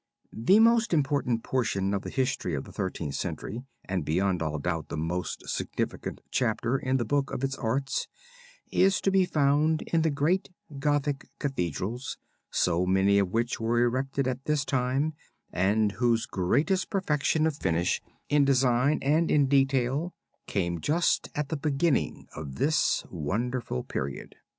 The most important portion of the history of the Thirteenth Century and beyond all doubt the most significant chapter in the book of its arts, is to be found in the great Gothic Cathedrals, so many of which were erected at this time and whose greatest perfection of finish in design and in detail came just at the beginning of this wonderful period.